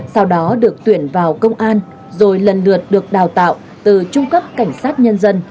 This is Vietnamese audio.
sau đó được tuyển vào công an rồi lần lượt được đào tạo từ trung cấp cảnh sát nhân dân